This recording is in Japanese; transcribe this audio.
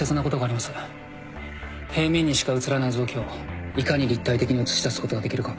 平面にしか写らない臓器をいかに立体的に写し出すことができるか